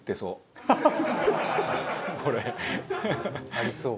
ありそう。